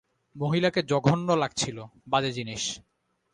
মহিলাকে জঘন্য লাগছিল, বাজে জিনিস।